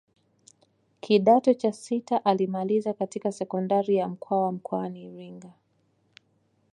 Kidato cha sita alimalizia katika sekondari ya Mkwawa mkoani Iringa